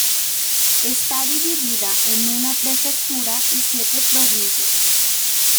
Está dividida en una prefectura y siete provincias.